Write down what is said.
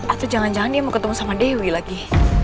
atau jangan jangan dia mau ketemu sama dewi lagi